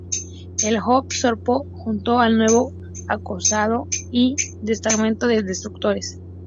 El "Hood" zarpó junto al nuevo acorazado y un destacamento de destructores.